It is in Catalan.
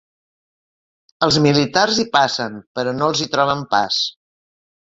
Els militars hi passen però no els hi troben pas.